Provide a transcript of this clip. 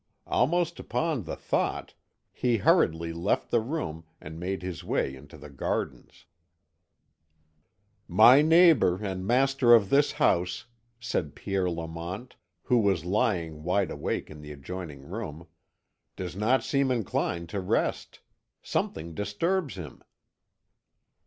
Almost upon the thought, he hurriedly left the room, and made his way into the gardens. "My neighbour, and master of this house," said Pierre Lamont, who was lying wide awake in the adjoining room, "does not seem inclined to rest. Something disturbs him."